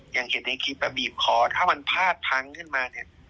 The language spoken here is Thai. อย่างเห็นในคลิปบีบคอถ้ามันพลาดพังขึ้นมาเนี่ย